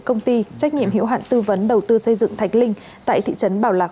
công ty trách nhiệm hiểu hạn tư vấn đầu tư xây dựng thạch linh tại thị trấn bảo lạc